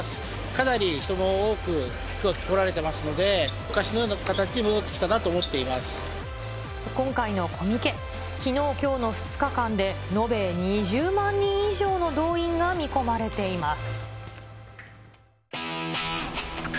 かなり人も多くきょう、来られてますので、昔のような形に戻って今回のコミケ、きのう、きょうの２日間で延べ２０万人以上の動員が見込まれています。